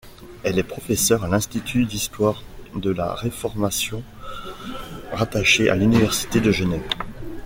Elle est professeur à l'Institut d'histoire de la réformation, rattaché à l'Université de Genève.